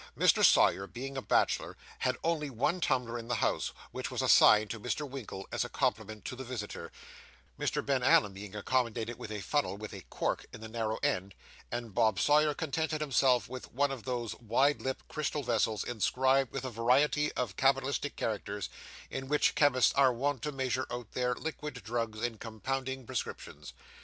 Mr. Sawyer, being a bachelor, had only one tumbler in the house, which was assigned to Mr. Winkle as a compliment to the visitor, Mr. Ben Allen being accommodated with a funnel with a cork in the narrow end, and Bob Sawyer contented himself with one of those wide lipped crystal vessels inscribed with a variety of cabalistic characters, in which chemists are wont to measure out their liquid drugs in compounding prescriptions.